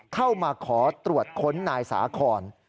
เข้ามาขอตรวจค้นนายสาคอน